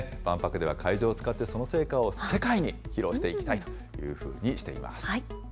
万博では会場を使ってその成果を世界に披露していきたいというふうにしています。